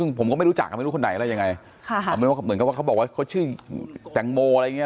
ซึ่งผมก็ไม่รู้จักไม่รู้คนไหนอะไรยังไงเหมือนกับว่าเขาบอกว่าเขาชื่อแตงโมอะไรอย่างเงี้